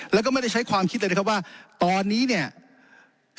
แล้วก็ไม่ได้ใช้ความคิดเลยนะครับว่าตอนนี้เนี่ย